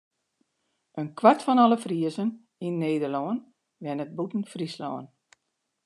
In kwart fan alle Friezen yn Nederlân wennet bûten Fryslân.